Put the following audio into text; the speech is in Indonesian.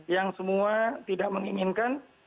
yang semua tidak menginginkan